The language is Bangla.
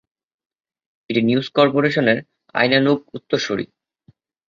এটি নিউজ কর্পোরেশনের আইনানুগ উত্তরসূরি।